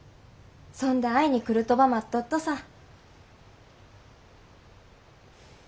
そんで会いに来るとば待っとっとさ。